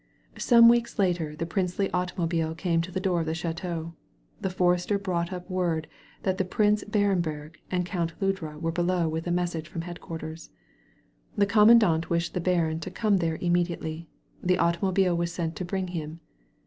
Some weeks later the princely automobile came to the door of the ch&teau. The forester brought up word that the Prince Blirenberg and the Count Ludra were below with a message from headquarters; the commandant wished the baron to come there immediately; the automobile was sent to bring him.